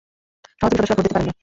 সহযোগী সদস্যরা ভোট দিতে পারেন না।